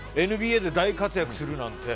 ＮＢＡで大活躍するなんて。